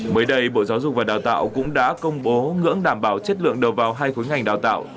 mới đây bộ giáo dục và đào tạo cũng đã công bố ngưỡng đảm bảo chất lượng đầu vào hai khối ngành đào tạo